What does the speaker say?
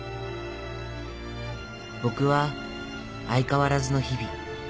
僕は相変わらずの日々。